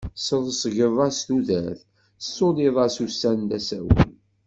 Tesreẓgeḍ-as tudert, tessuliḍ-as ussan d asawen.